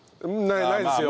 ないですよ。